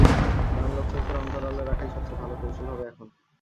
কারন লোকচক্ষুর অন্তরালে রাখাই সবচে ভালো কৌশল হবে এখন।